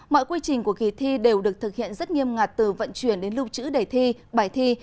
mọi quy trình của kỳ thi đều được thực hiện rất nghiêm ngặt từ vận chuyển đến lưu trữ để thi bài thi